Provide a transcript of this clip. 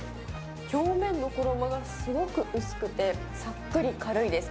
表面の衣がすごく薄くて、さっくり軽いです。